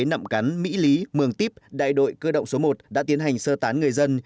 nậm cắn mỹ lý mường tiếp đại đội cơ động số một đã tiến hành sơ tán người dân